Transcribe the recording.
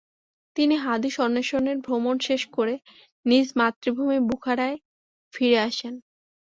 তিনি হাদীস অন্বেষণের ভ্রমণ শেষ করে নিজ মাতৃভূমি বুখারায় ফিরে আসেন।